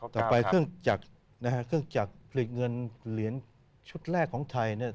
ต่อไปเครื่องจักรผลิตเงินเหรียญชุดแรกของไทยเนี่ย